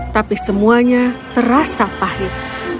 tapi semuanya terasa pahit